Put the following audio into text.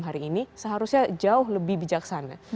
hari ini seharusnya jauh lebih bijaksana